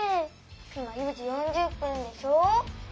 今４時４０分でしょ。